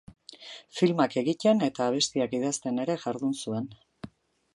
Filmak egiten eta abestiak idazten ere jardun zuen.